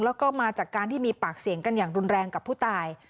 แล้วก็มาจากการที่มีปากเสียงกันอย่างรุนแรงกับผู้ตาย